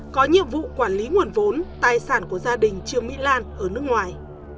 có nhiệm vụ quản lý nguồn vốn tài sản của gia đình trương mỹ lan ở nước ngoài